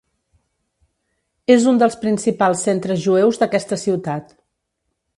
És un dels principals centres jueus d'aquesta ciutat.